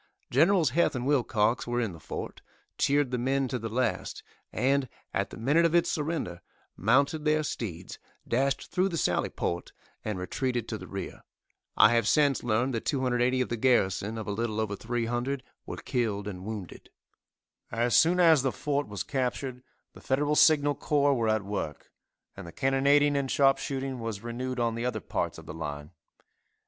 Generals Heth and Wilcox were in the fort, cheered the men to the last, and, at the minute of its surrender, mounted their steeds, dashed through the sally port and retreated to the rear. I have since learned that 280 of the garrison, of a little over 300, were killed and wounded. As soon as the fort was captured the Federal signal corps were at work, and the cannonading and sharpshooting was renewed on the other parts of the line.